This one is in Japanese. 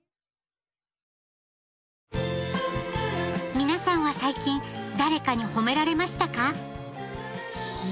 皆さんは最近誰かに褒められましたか？